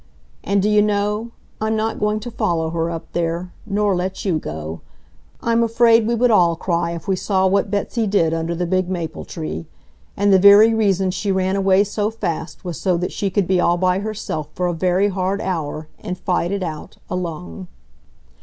And do you know, I'm not going to follow her up there, nor let you go. I'm afraid we would all cry if we saw what Betsy did under the big maple tree. And the very reason she ran away so fast was so that she could be all by herself for a very hard hour, and fight it out, alone.